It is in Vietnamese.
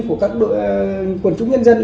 của các đội quần trúc nhân dân